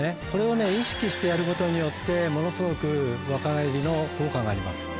これを意識してやることによってものすごく若返りの効果があります。